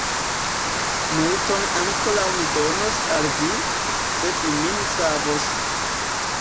Multon ankoraŭ mi donos al vi, se vi min savos!